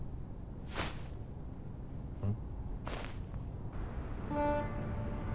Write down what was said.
うん？